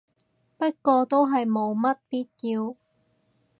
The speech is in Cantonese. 不過都係冇乜必要